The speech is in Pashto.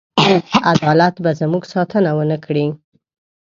عدالت به زموږ ساتنه ونه کړي.